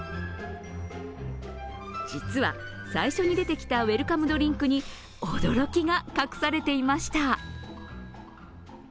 実は、最初に出てきたウェルカムドリンクに驚きが隠されていました。